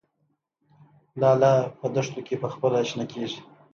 لاله په دښتو کې پخپله شنه کیږي